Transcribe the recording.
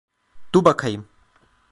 Dur bakayım.